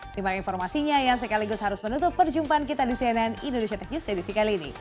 terima kasih informasinya yang sekaligus harus menutup perjumpaan kita di cnn indonesia tech news edisi kali ini